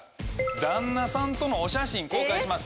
旦那さんとのお写真公開します。